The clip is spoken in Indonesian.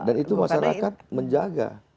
dan itu masyarakat menjaga